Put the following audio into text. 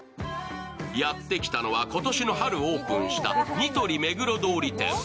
やってきたのは、今年の春オープンしたニトリ目黒通り店。